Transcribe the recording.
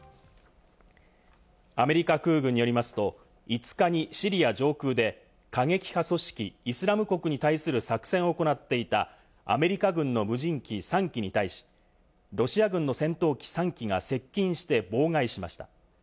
アメリカ空軍によりますと、５日にシリア上空で過激派組織「イスラム国」に対する作戦を行っていたアメリカ軍の無人機３機に対し、ロシア軍の戦闘機３機が接近して妨害しました。